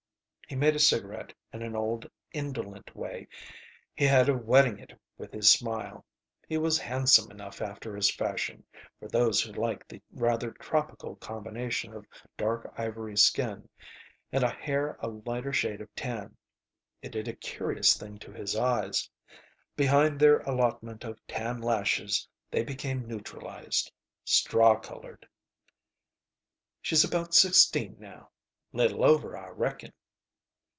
He made a cigarette in an old, indolent way he had of wetting it with his smile. He was handsome enough after his fashion, for those who like the rather tropical combination of dark ivory skin, and hair a lighter shade of tan. It did a curious thing to his eyes. Behind their allotment of tan lashes they became neutralized. Straw colored. "She's about sixteen now. Little over, I reckon."